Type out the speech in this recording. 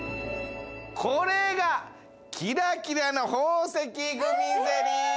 これがキラキラの宝石グミゼリーです。